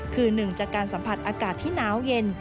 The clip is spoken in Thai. คือหนึ่งจากการสัมผัสอากาศที่หนาวเย็น